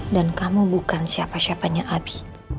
dan kamu bukan siapa siapanya abi